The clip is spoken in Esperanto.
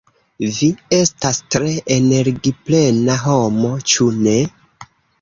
Vi estas tre energiplena homo, ĉu ne?